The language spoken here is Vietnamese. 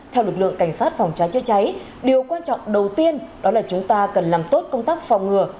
theo lực lượng cảnh sát phòng cháy chữa cháy điều quan trọng đầu tiên đó là chúng ta cần làm tốt công tác phòng ngừa